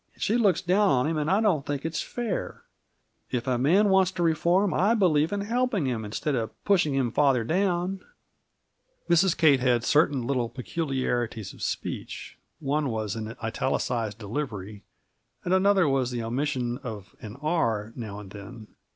She looks down on him, and I don't think it's fair. If a man wants to reform, I believe in helping him instead of pushing him father down." (Mrs. Kate had certain little peculiarities of speech; one was an italicized delivery, and another was the omission of an r now and then.